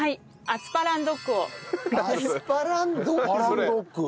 アスパランドッグ？